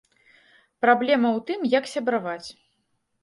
Праблема ў тым, як сябраваць.